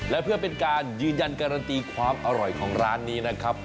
และเพื่อเป็นการยืนยันการันตีความอร่อยของร้านนี้นะครับ